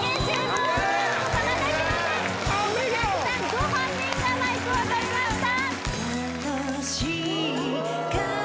ご本人がマイクを取りました